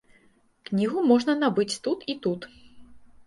Кнігу можна набыць тут і тут.